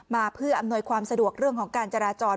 มาเพื่ออำนวยความสะดวกเรื่องของการจราจร